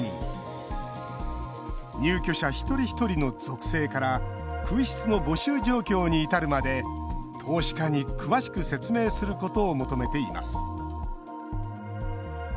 入居者一人一人の属性から空室の募集状況に至るまで投資家に詳しく説明することを求めています